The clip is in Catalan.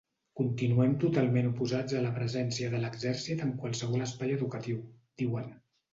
Continuem totalment oposats a la presència de l’exèrcit en qualsevol espai educatiu, diuen.